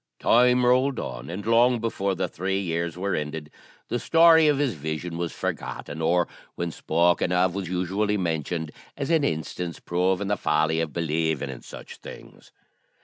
Time rolled on, and long before the three years were ended the story of his vision was forgotten, or, when spoken of, was usually mentioned as an instance proving the folly of believing in such things.